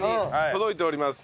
届いております。